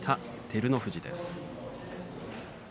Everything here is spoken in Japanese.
照ノ富士です。